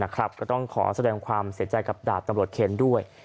ก็ต้องขอแสดงความเสียใจกับดาบตำรวจเคนด้วย